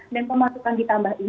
dan pemasukan ditambah ini bukan